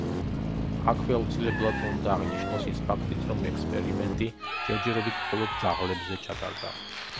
აქვე აუცილებლად უნდა აღინიშნოს ის ფაქტიც, რომ ექსპერიმენტი ჯერჯერობით მხოლოდ ძაღლებზე ჩატარდა.